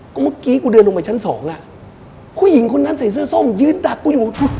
ก็เมื่อกี้กูเดินลงไปชั้นสองอ่ะผู้หญิงคนนั้นใส่เสื้อส้มยืนดักกูอยู่